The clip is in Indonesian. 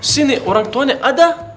sini orang tuanya ada